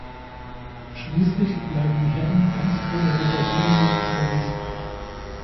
Schließlich bleiben die Herren ganz ohne rosa Dominos unter sich.